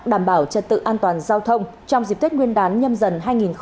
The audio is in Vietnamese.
đảm bảo trật tự an toàn giao thông trong dịp tết nguyên đán nhâm dần hai nghìn hai mươi bốn